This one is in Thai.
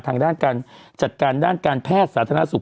ทางด้านการจัดการด้านการแพทย์สาธารณสุข